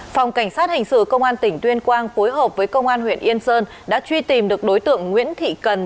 phòng cảnh sát hình sự công an tỉnh tuyên quang phối hợp với công an huyện yên sơn đã truy tìm được đối tượng nguyễn thị cần